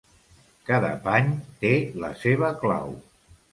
Cada pany té la seva clau.